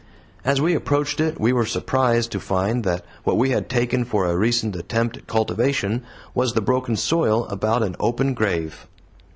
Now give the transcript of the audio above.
As we approached it we were surprised to find that what we had taken for a recent attempt at cultivation was the broken soil about an open grave.